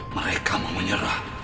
mereka mau menyerah